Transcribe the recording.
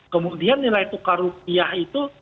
kemudian nilai tukar rupiah itu